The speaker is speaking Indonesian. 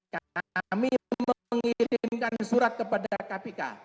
kami mengirimkan surat kepada kpk